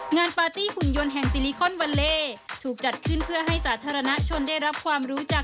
ปาร์ตี้หุ่นยนต์แห่งซิลิคอนวัลเลถูกจัดขึ้นเพื่อให้สาธารณชนได้รับความรู้จัก